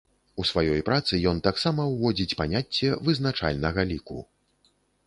У сваёй працы ён таксама ўводзіць паняцце вызначальнага ліку.